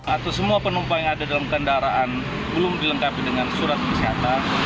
atau semua penumpang yang ada dalam kendaraan belum dilengkapi dengan surat kesehatan